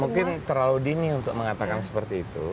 mungkin terlalu dini untuk mengatakan seperti itu